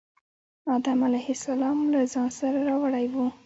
آدم علیه السلام له ځان سره راوړی و.